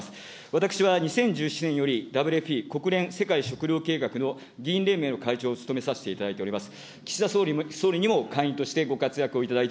私は２０１７年より、ＷＦＰ、国連世界食糧計画の議員連盟の会長を務めさせていただいております。